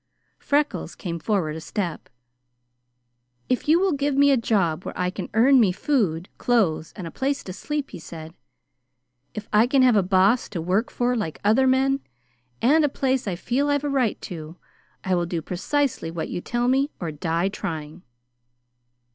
Freckles came forward a step. "If you will give me a job where I can earn me food, clothes, and a place to sleep," he said, "if I can have a Boss to work for like other men, and a place I feel I've a right to, I will do precisely what you tell me or die trying."